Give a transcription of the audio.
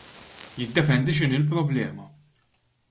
Jiddependi x'inhi l-problema.